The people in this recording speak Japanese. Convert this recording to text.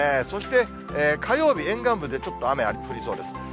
そして火曜日、沿岸部でちょっと雨が降りそうです。